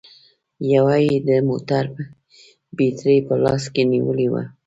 يوه يې د موټر بېټرۍ په لاس کې نيولې وه